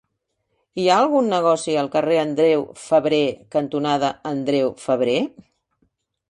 Hi ha algun negoci al carrer Andreu Febrer cantonada Andreu Febrer?